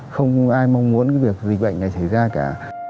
không ai mong muốn cái việc dịch bệnh này xảy ra cả